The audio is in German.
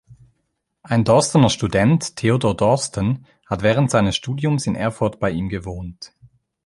Ein Dorstener Student, Theodor Dorsten, hat während seines Studiums in Erfurt bei ihm gewohnt.